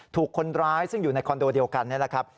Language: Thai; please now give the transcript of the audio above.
ถูกคนร้ายซึ่งอยู่ในคอนโดเดียวกันนี่แหละครับ